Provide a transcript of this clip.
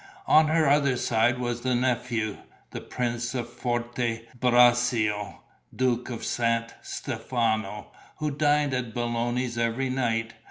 On her other side was the nephew, the Prince of Forte Braccio, Duke of San Stefano, who dined at Belloni's every night.